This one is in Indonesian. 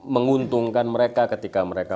menguntungkan mereka ketika mereka